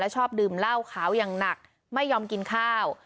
ชอบดื่มเหล้าขาวอย่างหนักไม่ยอมกินข้าว